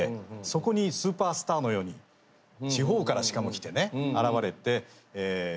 そこにスーパースターのように地方からしかも来てね現れて活躍をするわけですね。